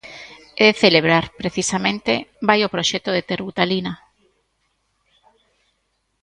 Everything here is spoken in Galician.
E de celebrar, precisamente, vai o proxecto de Terbutalina.